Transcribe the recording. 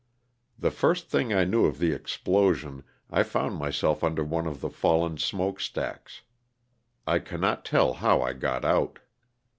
The first thing I knew of the explosion I found my self under one of the fallen smoke stacks. I cannot tell how I got out.